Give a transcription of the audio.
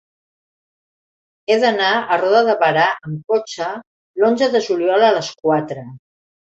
He d'anar a Roda de Berà amb cotxe l'onze de juliol a les quatre.